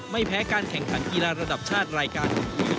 ไม่แพ้การแข่งขันกีฬาระดับชาติรายการ